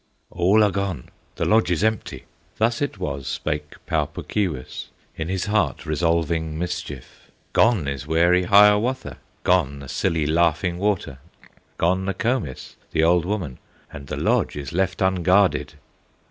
"All are gone! the lodge is empty!" Thus it was spake Pau Puk Keewis, In his heart resolving mischief "Gone is wary Hiawatha, Gone the silly Laughing Water, Gone Nokomis, the old woman, And the lodge is left unguarded!"